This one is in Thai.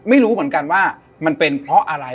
ไม่รู้เหมือนกันว่ามันเป็นเพราะอะไร